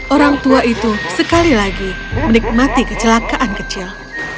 orang tua itu sekali lagi menikmati kecelakaan kecil